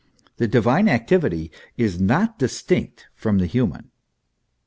The divine activity is not distinct from the human.